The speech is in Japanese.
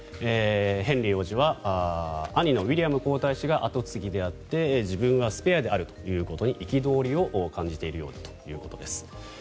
ヘンリー王子は兄のウィリアム皇太子が跡継ぎであって自分はスペアであるということに憤りを感じているようだということです。